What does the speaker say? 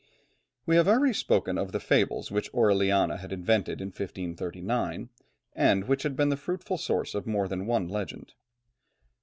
We have already spoken of the fables which Orellana had invented in 1539, and which had been the fruitful source of more than one legend.